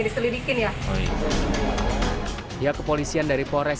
diselidikin ya oh iya ya kepolisian dari pores